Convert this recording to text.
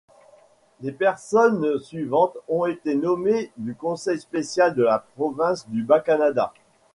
Les personnes suivantes ont été nommées du Conseil spécial de la Province du Bas-Canada.